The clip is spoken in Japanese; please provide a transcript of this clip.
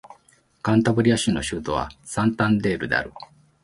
カンタブリア州の州都はサンタンデールである